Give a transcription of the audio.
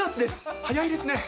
早いですね。